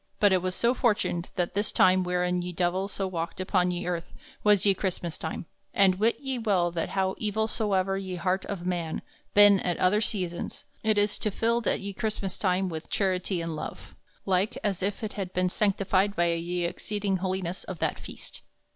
But it so fortuned that this time wherein ye Divell so walked upon ye earth was ye Chrystmass time; and wit ye well that how evill soever ye harte of man ben at other seasons, it is tofilled at ye Chrystmass time with charity and love, like as if it ben sanctified by ye exceeding holiness of that feast.